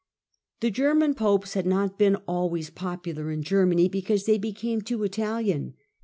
The German popes had not been always popular in Germany, because they became too Italian.